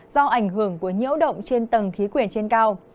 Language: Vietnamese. do ảnh hưởng của nhiễu động trên tầng khí quyển trên cao